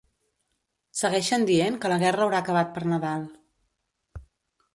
Segueixen dient que la guerra haurà acabat per Nadal.